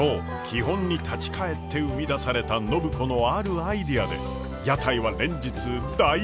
基本に立ち返って生み出された暢子のあるアイデアで屋台は連日大盛況！